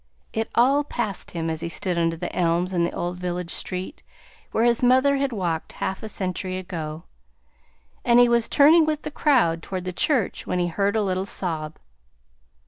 It all passed him, as he stood under the elms in the old village street where his mother had walked half a century ago, and he was turning with the crowd towards the church when he heard a little sob.